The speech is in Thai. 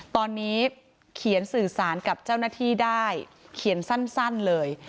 ตอนนี้เขียนสื่อสารกับเจ้าหน้าที่ได้เขียนสั้นเลย